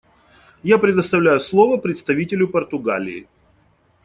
Я предоставляю слово представителю Португалии.